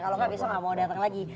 kalau gak besok gak mau datang lagi